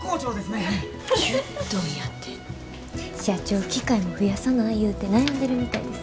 社長機械も増やさないうて悩んでるみたいです。